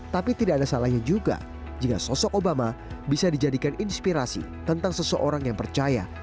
tapi tidak ada salahnya juga jika sosok obama bisa dijadikan inspirasi tentang seseorang yang percaya